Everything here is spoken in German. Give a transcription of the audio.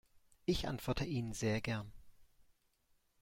Ich antworte Ihnen sehr gern.